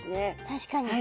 確かに。